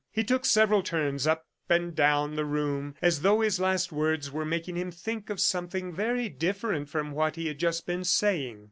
... He took several turns up and down the room, as though his last words were making him think of something very different from what he had just been saying.